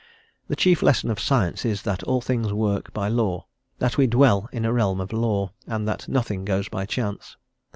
The chief lesson of science is that all things work by law, that we dwell in a realm of law, and that nothing goes by chance.